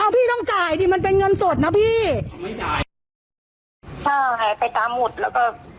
พี่ต้องจ่ายดิมันเป็นเงินสดนะพี่ไม่จ่ายถ้าหายไปตามหมดแล้วก็